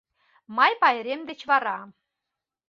— Май пайрем деч вара.